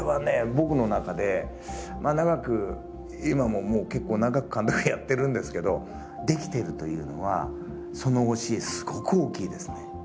僕の中で長く今も結構長く監督やってるんですけどできてるというのはその教えすごく大きいですね。